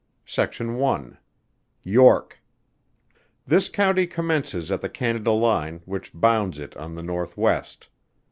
SECTION I. YORK. This County commences at the Canada line, which bounds it on the north west.